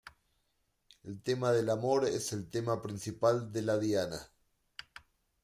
El tema del amor es el tema principal de la Diana.